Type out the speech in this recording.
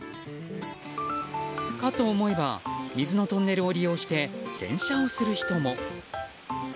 かと思えば水のトンネルを利用して洗車をする人も。